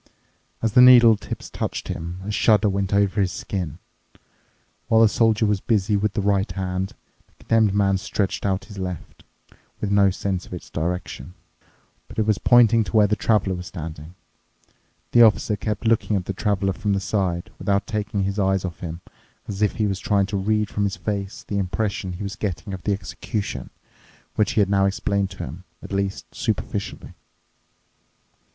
As the needle tips touched him, a shudder went over his skin. While the Soldier was busy with the right hand, the Condemned Man stretched out his left, with no sense of its direction. But it was pointing to where the Traveler was standing. The Officer kept looking at the Traveler from the side, without taking his eyes off him, as if he was trying to read from his face the impression he was getting of the execution, which he had now explained to him, at least superficially.